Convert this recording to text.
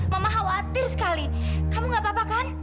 mama khawatir sekali kamu gak apa apa kan